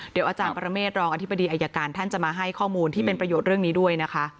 เดี๋ยวอาจารย์ปรเมฆรองอธิบดีอายการท่านจะมาให้ข้อมูลที่เป็นประโยชน์เรื่องนี้ด้วยนะคะ